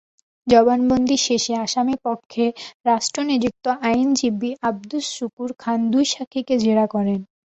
জবানবন্দি শেষে আসামিপক্ষে রাষ্ট্রনিযুক্ত আইনজীবী আবদুস শুকুর খান দুই সাক্ষীকে জেরা করেন।